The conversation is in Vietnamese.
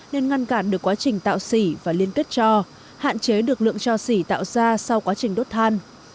nên ngăn cản được quá trình tạo xỉ và liên kết cho hạn chế được lượng cho xỉ tạo ra sau quá trình đốt than